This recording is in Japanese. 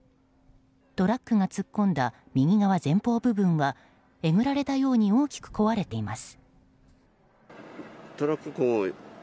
トラックが突っ込んだ右側前方部分はえぐられたように大きく壊れています。